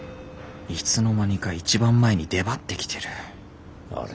いつの間にか一番前に出張ってきてるあれ？